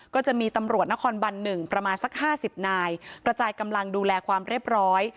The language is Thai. ก็จะมีตำรวจนครบัน๑ประมาณสัก๕๐นายกระจายกำลังดูแลความเรียบร้อย